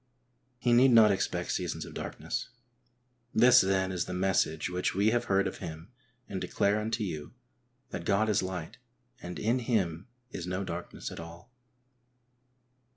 He need not expect seasons of darkness. This, then, is the message which we have heard of him and declare unto you, that God is light, and in Him is no darkness at all.